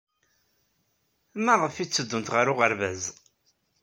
Maɣef ay tteddunt ɣer uɣerbaz?